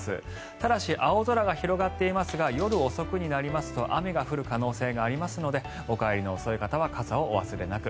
ただし、青空が広がっていますが夜遅くになりますと雨が降る可能性がありますのでお帰りの遅い方は傘をお忘れなく。